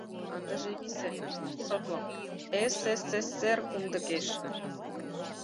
Ындыже висе, шотло: ЭС-эС-эС-эР кумдыкеш